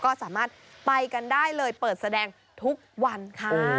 ก็สามารถไปกันได้เลยเปิดแสดงทุกวันค่ะ